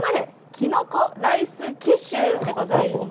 キノコライスキッシュ！でございます。